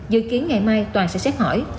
dự kiến ngày mai tòa sẽ xét hỏi